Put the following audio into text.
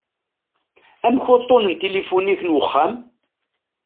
Amek uṭṭun n tilifu-inek n uxxam?